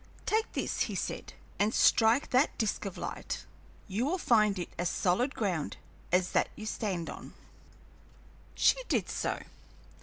"Take this," he said, "and strike that disk of light; you will find it as solid ground as that you stand on." She did so.